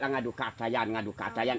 kalau anda belum mati anda akan dihukum